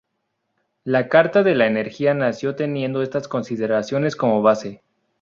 La Carta de la Energía nació teniendo estas consideraciones como base.